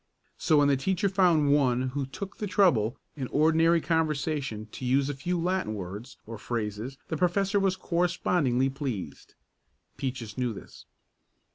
So when the teacher found one who took the trouble in ordinary conversation to use a few Latin words, or phrases, the professor was correspondingly pleased. Peaches knew this.